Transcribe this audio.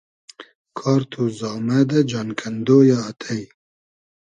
کار تو زامئدۂ ، جان کئندۉ یۂ آتݷ